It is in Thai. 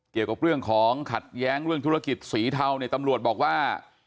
เกี่ยวกับเรื่องของขัดแย้งเรื่องธุรกิจสีเทาเนี่ยตำรวจบอกว่า